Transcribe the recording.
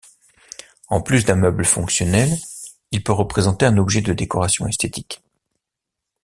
En plus d'un meuble fonctionnel, il peut représenter un objet de décoration esthétique.